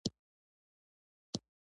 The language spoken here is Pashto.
د بیړنیو ستونزو لپاره د عاجل څانګې ته لاړ شئ